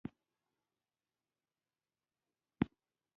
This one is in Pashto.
یو استبدادي سسټم وو.